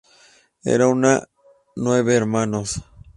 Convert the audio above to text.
Era una de nueve hermanos.